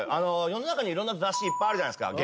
世の中にいろんな雑誌いっぱいあるじゃないですか。